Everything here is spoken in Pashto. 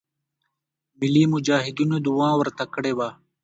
ملی مجاهدینو دعا ورته کړې وه.